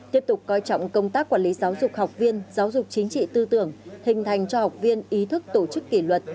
tiếp tục coi trọng công tác quản lý giáo dục học viên giáo dục chính trị tư tưởng hình thành cho học viên ý thức tổ chức kỷ luật